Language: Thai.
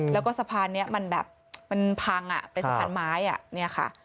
แล้วก็สะพานนี้มันแบบมันพังเป็นสะพานไม้